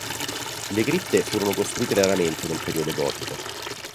Le cripte furono costruite raramente nel periodo gotico.